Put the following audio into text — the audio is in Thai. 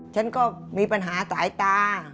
ฉันก็มีปัญหาสายตา